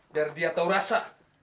dar dia tau rasa